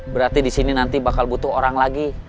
berarti di sini nanti bakal butuh orang lagi